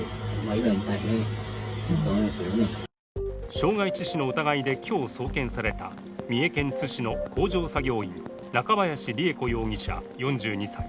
傷害致死の疑いで今日送検された、三重県津市の工場作業員中林りゑ子容疑者４２歳。